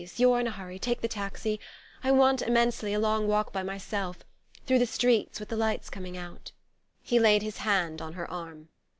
You're in a hurry; take the taxi. I want immensely a long long walk by myself... through the streets, with the lights coming out...." He laid his hand on her arm.